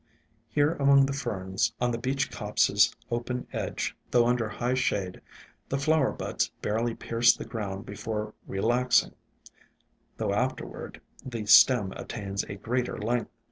Here among the Ferns, on the Beech copse's open edge, though under high shade, the flower buds barely pierce the ground before re laxing, though afterward the stem attains a greater length.